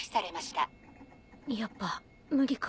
やっぱ無理か。